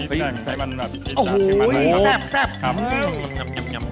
โอ้โหวแซ่บ